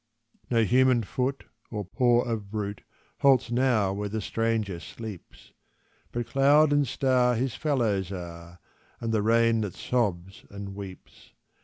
No human foot or paw of brute Halts now where the stranger sleeps; But cloud and star his fellows are, And the rain that sobs and weeps.